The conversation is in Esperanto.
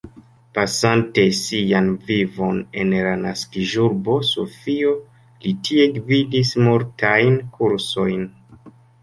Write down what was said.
Pasante sian vivon en la naskiĝurbo Sofio, li tie gvidis multajn kursojn.